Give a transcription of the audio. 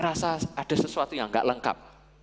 rasa ada sesuatu yang nggak lengkap